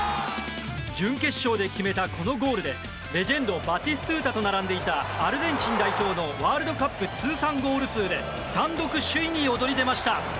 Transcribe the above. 準決勝で決めたこのゴールでレジェンド、バティストゥータと並んでいた、アルゼンチン代表のワールドカップ通算ゴール数で単独首位に躍り出ました。